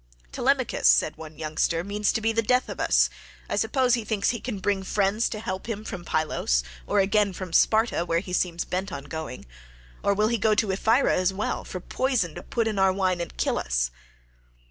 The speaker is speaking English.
"Telemachus," said one youngster, "means to be the death of us; I suppose he thinks he can bring friends to help him from Pylos, or again from Sparta, where he seems bent on going. Or will he go to Ephyra as well, for poison to put in our wine and kill us?"